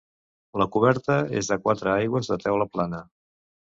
La coberta és de quatre aigües de teula plana.